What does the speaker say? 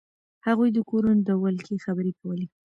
هغوی د کورونو د ولکې خبرې کولې.